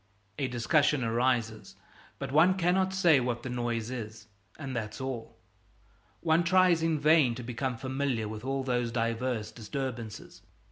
A discussion arises, but one cannot say what the noise is, and that's all. One tries in vain to become familiar with all those diverse disturbances.